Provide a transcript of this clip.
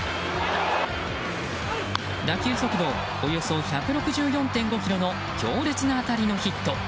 打球速度およそ１６４．５キロの強烈な当たりのヒット。